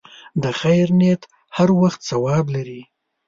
د خیر نیت هر وخت ثواب لري.